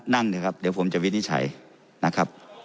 นั่นสิครับเดี๋ยวผมจะวินิจฉัยนะครับ